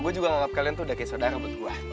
gue juga menganggap kalian tuh udah kayak saudara buat gue